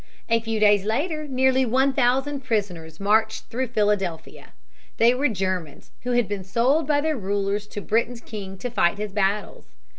A few days later nearly one thousand prisoners marched through Philadelphia. They were Germans, who had been sold by their rulers to Britain's king to fight his battles.